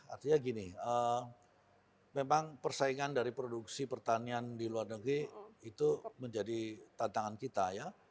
artinya gini memang persaingan dari produksi pertanian di luar negeri itu menjadi tantangan kita ya